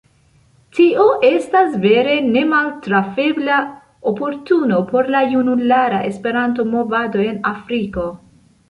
Tio estas vere nemaltrafebla oportuno por la junulara Esperanto-movado en Afriko.